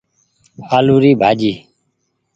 آلو ري ڀآڃي۔